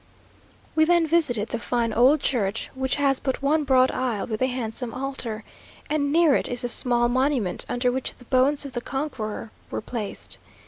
We then visited the fine old church, which has but one broad aisle with a handsome altar, and near it is the small monument, under which the bones of the conqueror were placed.